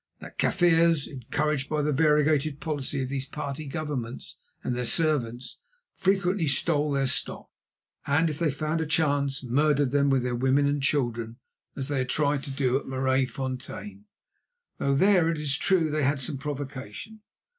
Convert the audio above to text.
That Kaffirs, encouraged by the variegated policy of these party governments and their servants, frequently stole their stock; and if they found a chance, murdered them with their women and children, as they had tried to do at Maraisfontein; though there, it is true, they had some provocation.